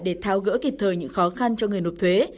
để tháo gỡ kịp thời những khó khăn cho người nộp thuế